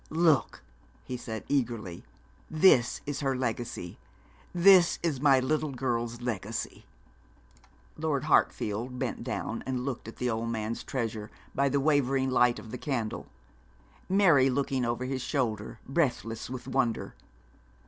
'Look,' he said eagerly, 'this is her legacy this is my little girl's legacy.' Lord Hartfield bent down and looked at the old man's treasure, by the wavering light of the candle; Mary looking over his shoulder, breathless with wonder.